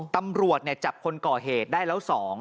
ตำรวจเนี่ยจับคนก่อเหตุได้แล้วสอง